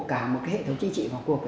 cả một hệ thống chính trị vào cuộc